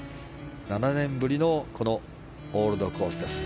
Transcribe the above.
７年ぶりのオールドコースです。